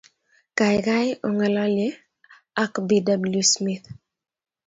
Gaigai, ongalalye ago Bw.smith